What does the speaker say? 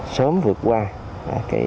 sớm vượt qua